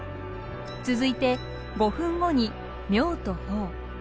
続いて５分後に「妙と法」。